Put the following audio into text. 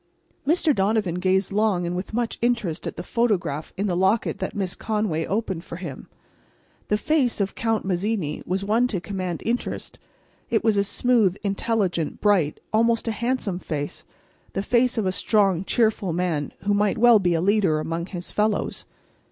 Mr. Donovan gazed long and with much interest at the photograph in the locket that Miss Conway opened for him. The face of Count Mazzini was one to command interest. It was a smooth, intelligent, bright, almost a handsome face—the face of a strong, cheerful man who might well be a leader among his fellows.